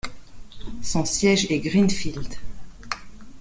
Son siège est Greenfield.